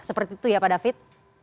seperti itu ya pak david